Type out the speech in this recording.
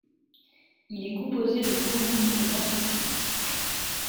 Il est composé de chroniques et d'entretiens.